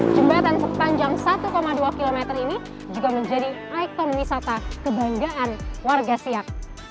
jembatan sepanjang satu dua km ini juga menjadi ikon wisata kebanggaan warga siak